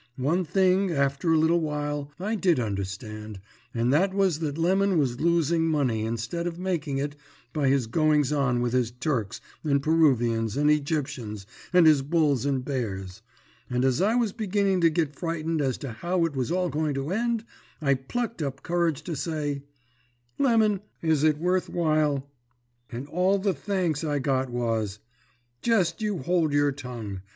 One thing, after a little while, I did understand, and that was that Lemon was losing money instead of making it by his goings on with his Turks, and Peruvians, and Egyptians, and his Bulls and Bears; and as I was beginning to git frightened as to how it was all going to end, I plucked up courage to say, "'Lemon, is it worth while?' "And all the thanks I got was, "'Jest you hold your tongue.